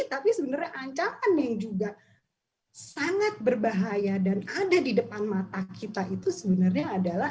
tapi sebenarnya ancaman yang juga sangat berbahaya dan ada di depan mata kita itu sebenarnya adalah